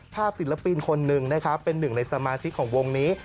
ศิลปินคนหนึ่งนะครับเป็นหนึ่งในสมาชิกของวงนี้